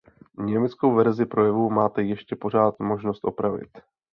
Německou verzi projevu máte ještě pořád možnost opravit.